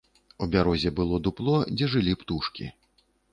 У бярозе было дупло, дзе жылі птушкі.